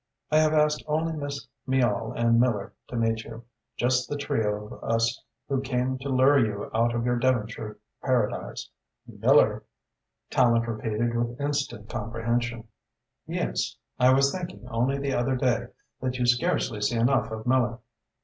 I have asked only Miss Miall and Miller to meet you just the trio of us who came to lure you out of your Devonshire paradise." "Miller?" Tallente repeated, with instant comprehension. "Yes! I was thinking, only the other day, that you scarcely see enough of Miller."